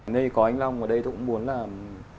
nên có anh long ở đây tôi cũng muốn làm